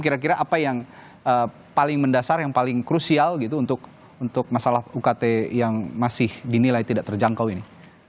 kira kira apa yang paling mendasar yang paling krusial gitu untuk masalah ukt yang masih dinilai tidak terjangkau ini